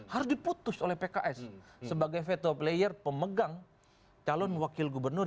harus diputus oleh pks sebagai veto player pemegang calon wakil gubernur